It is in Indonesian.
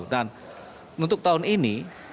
dan untuk tahun ini